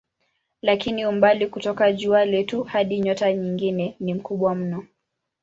Lakini umbali kutoka jua letu hadi nyota nyingine ni mkubwa mno.